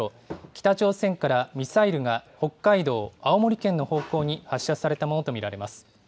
北朝鮮からミサイルが北海道、青森県の方向に発射されたものと見られます。